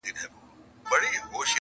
څنکه چي خاموشه دریابو کي ملغلري دي,